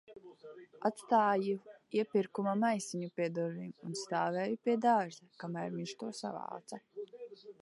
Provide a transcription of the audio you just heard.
Atstāju iepirkuma maisiņu pie durvīm un stāvēju pie dārza, kamēr viņš to savāca.